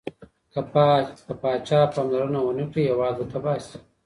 که پاچا پاملرنه ونه کړي، هیواد به تباه سي.